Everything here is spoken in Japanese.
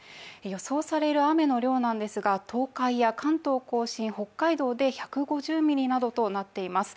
予想される雨の量なんですが、東海や関東甲信、北海道で１５０ミリなどとなっています。